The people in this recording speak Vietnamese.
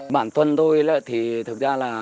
bản tuân tôi thì thực ra là